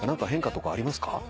変化とかありますか？